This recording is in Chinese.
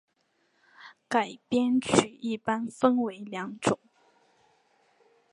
改编曲一般分为两种。